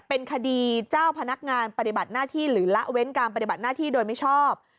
เป็นคดีเจ้าพนักงานปฏิบัติหน้าที่หรือละเว้นการปฏิบัติหน้าที่โดยมิชอบ